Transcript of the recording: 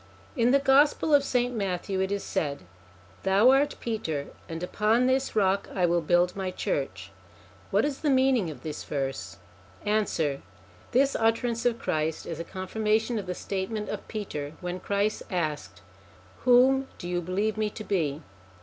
In the Gospel of St. Matthew it is said : 'Thou art Peter, and upon this rock I will build my church.' What is the meaning of this verse ? Answer. This utterance of Christ is a confirmation of the statement of Peter, when Christ asked : Whom do you believe me to be?